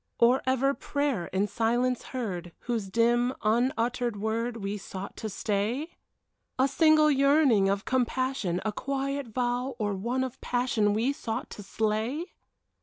Or ever prayer in silence heard, Whose dim, unuttered word We sought to stay? A single yearning of compassion. A quiet vow or one of passion We sought to slay?